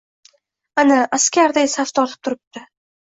Ana, askarday saf tortib turibdi.